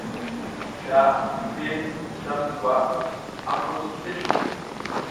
Sla ngi Slramdi kwa a mbruc disl.